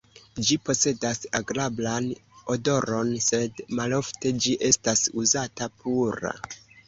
Ĝi posedas agrablan odoron, sed malofte ĝi estas uzata pura.